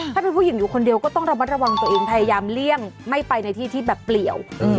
ถ้าเป็นผู้หญิงอยู่คนเดียวก็ต้องระมัดระวังตัวเองพยายามเลี่ยงไม่ไปในที่ที่แบบเปลี่ยว